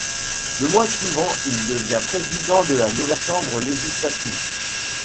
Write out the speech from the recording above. Le mois suivant, il devient président de la nouvelle Chambre législative.